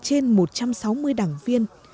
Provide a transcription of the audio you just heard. trên một trăm sáu mươi đảng viên